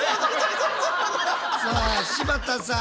さあ柴田さん。